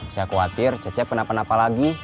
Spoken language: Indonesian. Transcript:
saya khawatir cecep kenapa napa lagi